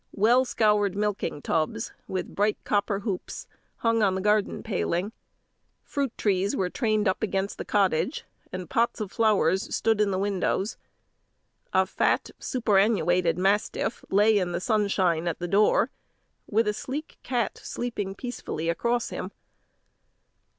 Well scoured milking tubs, with bright copper hoops, hung on the garden paling. Fruit trees were trained up against the cottage, and pots of flowers stood in the windows. A fat superannuated mastiff lay in the sunshine at the door; with a sleek cat sleeping peacefully across him.